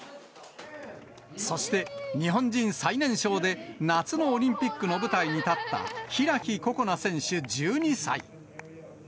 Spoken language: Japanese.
そして、日本人最年少で夏のオリンピックの舞台に立った開心那選手１２歳。